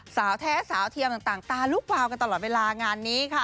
สาวแท้สาวเทียมต่างตาลูกวาวกันตลอดเวลางานนี้ค่ะ